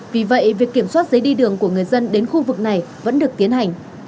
vì vậy việc kiểm soát giấy đi đường của người dân đến khu vực này vẫn được tiến hành